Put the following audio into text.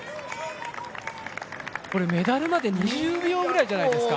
これメダルまで２０秒ぐらいじゃないですか？